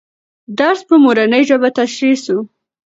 درس په مورنۍ ژبه تشریح سو.